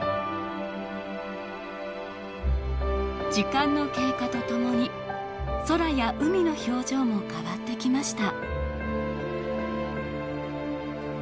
時間の経過とともに空や海の表情も変わってきました。